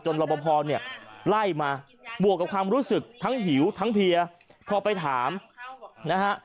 รับประพอเนี่ยไล่มาบวกกับความรู้สึกทั้งหิวทั้งเพียพอไปถามนะฮะ